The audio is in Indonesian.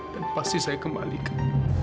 dan pasti saya kembalikan